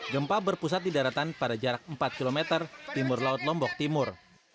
gempa berpusat di daratan pada jarak empat km timur laut lombok timur